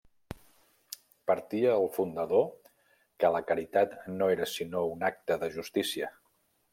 Partia el fundador que la caritat no era sinó un acte de justícia.